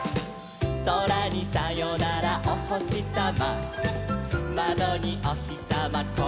「そらにさよならおほしさま」「まどにおひさまこんにちは」